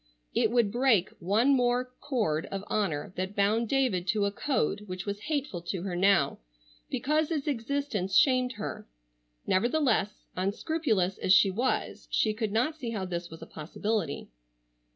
It would break one more cord of honor that bound David to a code which was hateful to her now, because its existence shamed her. Nevertheless, unscrupulous as she was she could not see how this was a possibility.